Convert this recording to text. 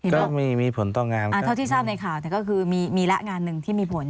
ก็มีผลต่องานเท่าที่ทราบในข่าวแต่ก็คือมีละงานหนึ่งที่มีผล